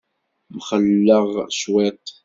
Mxelleɣ cwiṭ.